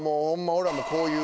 俺はもうこういう。